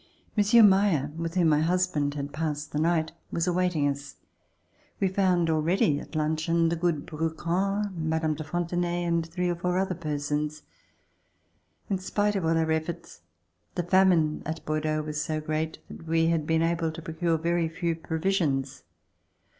Monsieur Meyer, with whom my husband had passed the night, was awaiting us. We found, already at luncheon, the good Brouquens, Mme. de Fontenay and three or four other persons. In spite of all of our efforts, the famine at Bordeaux was so great that we had been able to procure very few provisions.